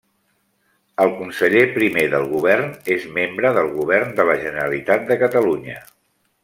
El conseller primer del Govern és membre del Govern de la Generalitat de Catalunya.